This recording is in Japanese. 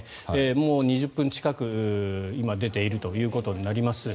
もう２０分近く今、出ているということになります。